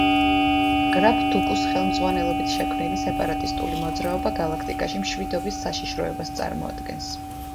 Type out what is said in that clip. გრაფ დუკუს ხელმძღვანელობით შექმნილი სეპარატისტული მოძრაობა გალაქტიკაში მშვიდობის საშიშროებას წარმოადგენს.